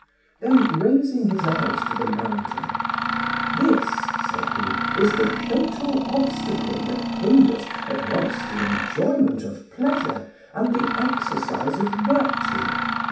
Then raising his eyes to the mountain, "This," said he, "is the fatal obstacle that hinders at once the enjoyment of pleasure and the exercise of virtue.